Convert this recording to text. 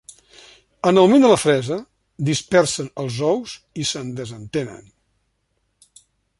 En el moment de la fresa, dispersen els ous i se'n desentenen.